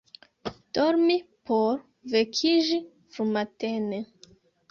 Dormi por vekiĝi frumatene.